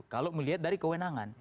kalau melihat dari kewenangan